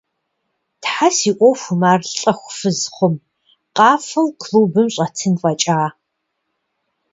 Тхьэ, си ӏуэхум ар лӏэху фыз хъум, къафэу клубым щӏэтын фӏэкӏа…